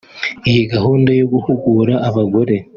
Iyi gahunda yo guhugura abagore